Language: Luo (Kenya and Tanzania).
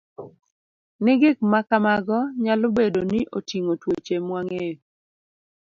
ni gik ma kamago nyalo bedo ni oting'o tuoche mwang'eyo